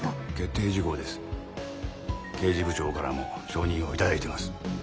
刑事部長からも承認を頂いてます。